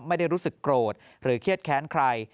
ไม่ได้รู้สึกโกรธหรือเครียดแค้นใคร